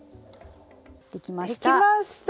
できました。